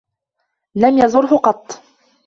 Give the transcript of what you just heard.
لم يزره قطّ.